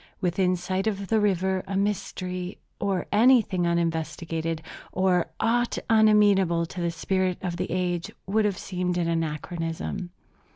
Within sight of the river a mystery, or anything uninvestigated, or aught unamenable to the spirit of the age, would have seemed an anachronism.